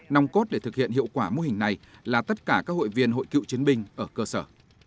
nòng cốt để thực hiện hiệu quả mô hình này là tất cả các hội viên hội cựu chiến binh ở cơ sở